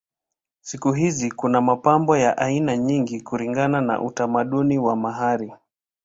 Siku hizi kuna mapambo ya aina nyingi kulingana na utamaduni wa mahali.